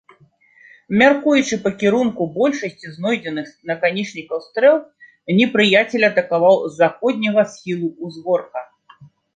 Мяркуючы па кірунку большасці знойдзеных наканечнікаў стрэл, непрыяцель атакаваў з заходняга схілу ўзгорка.